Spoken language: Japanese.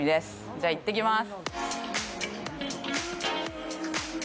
じゃあ、行ってきます。